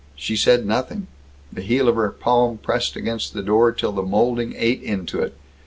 She said nothing. The heel of her palm pressed against the door till the molding ate into it.